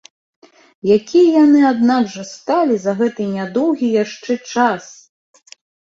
Якія яны аднак жа сталі за гэты нядоўгі яшчэ час!